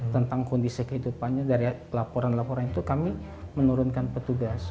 tentang kondisi kehidupannya dari laporan laporan itu kami menurunkan petugas